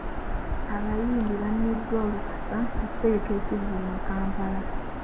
Abayimbi bammiddwa olukusa okutegeka ekivvulu mu Kampala.